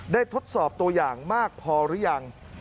ทดสอบตัวอย่างมากพอหรือยัง